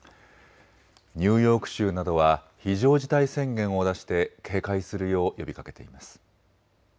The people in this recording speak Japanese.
ニューヨーク州などは非常事態宣言を出して警戒するよう呼びかけています。